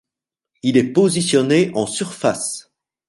Il est positionné en surface.